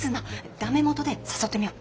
ダメもとで誘ってみよう。